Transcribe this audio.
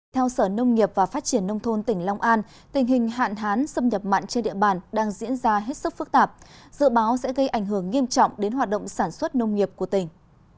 theo sở nông nghiệp và phát triển nông thôn tỉnh long an tình hình hạn hán xâm nhập mặn trên địa bàn đang diễn ra hết sức phức tạp dự báo sẽ gây ảnh hưởng nghiêm trọng đến hoạt động sản xuất nông nghiệp của tỉnh